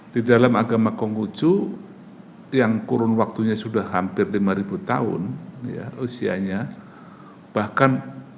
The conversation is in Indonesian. di dalam agama konghucu yang kurun waktunya sudah hampir lima tahun usianya bahkan